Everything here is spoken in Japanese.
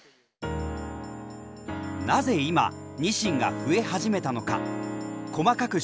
なぜ今ニシンが増え始めたのか。